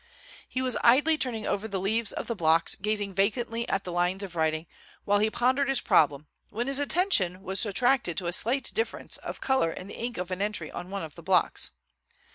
He was idly turning over the leaves of the blocks, gazing vacantly at the lines of writing while he pondered his problem when his attention was attracted to a slight difference of color in the ink of an entry on one of the blocks.